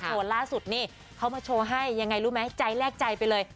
ล่าสุดนี่เขามาโชว์ให้ยังไงรู้ไหมใจแรกใจไปเลย